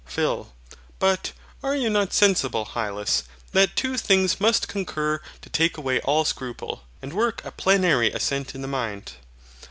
PHIL. But, are you not sensible, Hylas, that two things must concur to take away all scruple, and work a plenary assent in the mind?